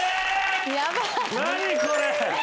何これ！？